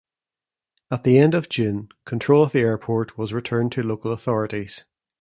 At the end of June, control of the airport was returned to local authorities.